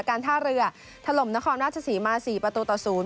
การท่าเรือถล่มนครนาศสีมาสี่ประตูต่อศูนย์